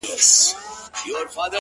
هغه هم نسته جدا سوی يمه!!